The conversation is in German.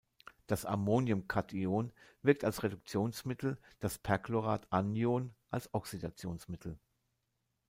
Das Ammonium-Kation wirkt als Reduktionsmittel, das Perchlorat-Anion als Oxidationsmittel.